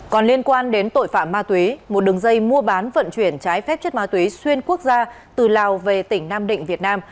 còn liên quan đến tội phạm ma túy một đường dây mua bán vận chuyển trái phép chất ma túy xuyên quốc gia từ lào về tỉnh nam định việt nam